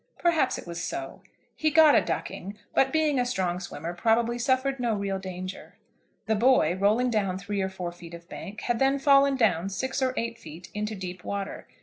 Perhaps it was so. He got a ducking, but, being a strong swimmer, probably suffered no real danger. The boy, rolling down three or four feet of bank, had then fallen down six or eight feet into deep water.